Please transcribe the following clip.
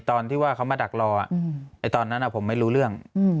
ตอนที่ว่าเขามาดักรอตอนนั้นผมไม่รู้เรื่อง